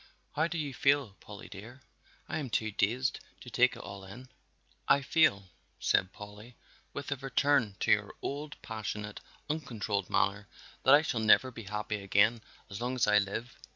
How do you feel, Polly dear? I am too dazed to take it all in." "I feel," said Polly, with a return to her old passionate, uncontrolled manner, "that I shall never be happy again as long as I live."